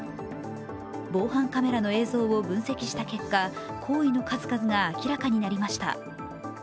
防犯カメラの映像を分析した結果、行為の数々が明らかになりました。